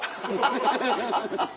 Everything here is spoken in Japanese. ハハハハハ。